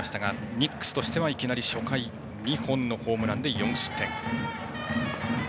ニックスとしてはいきなり初回２本のホームランで４失点。